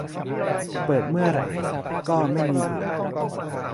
เปิดเมื่อไหร่ก็ไม่มีเบื่อ